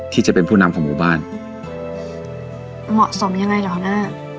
ที่จะเป็นผู้นำของหมู่บ้านเหมาะสมยังไงเหรอหัวหน้า